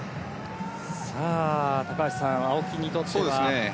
高橋さん、青木にとっては。